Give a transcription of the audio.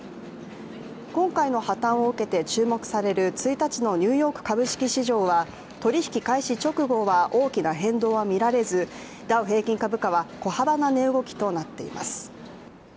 今回の破たんを受けて注目される１日のニューヨーク株式市場は取引開始直後は大きな変動は見られず、ダウ平均株価は小幅な値動きとなっています。